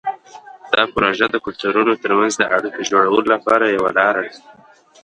دا پروژه د کلتورونو ترمنځ د اړیکو جوړولو لپاره یوه لاره ده.